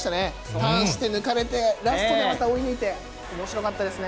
ターンして、抜かれて、ラストでまた追い抜いて、おもしろかったですね。